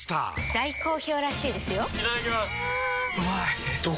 大好評らしいですよんうまい！